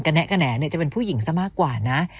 แนะกระแหนจะเป็นผู้หญิงซะมากกว่านะ